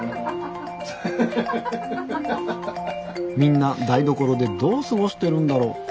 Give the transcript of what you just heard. みんな台所でどう過ごしてるんだろう。